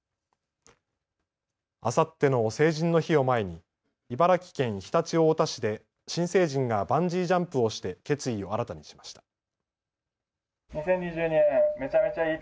あさっての成人の日を前に茨城県常陸太田市で新成人がバンジージャンプをして決意を新たにしました。